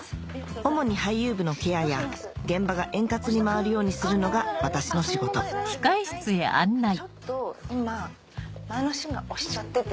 主に俳優部のケアや現場が円滑に回るようにするのが私の仕事ちょっと今前のシーンが押しちゃってて。